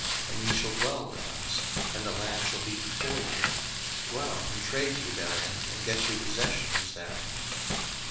01:034:010 And ye shall dwell with us: and the land shall be before you; dwell and trade ye therein, and get you possessions therein.